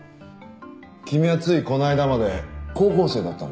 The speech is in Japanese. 君はついこの間まで高校生だったんだよな？